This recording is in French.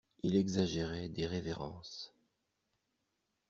Il exagérait des révérences.